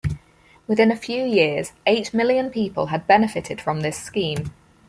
Within a few years, eight million people had benefited from this scheme.